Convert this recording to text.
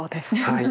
はい。